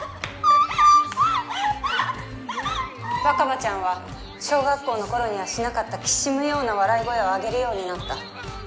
若葉ちゃんは小学校の頃にはしなかった軋むような笑い声をあげるようになった。